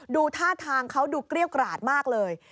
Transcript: ดูท่าทางเขาดูเกรี้ยวกราดมากเลย